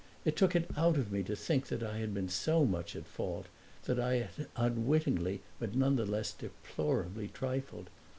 It took it out of me to think I had been so much at fault, that I had unwittingly but nonetheless deplorably trifled.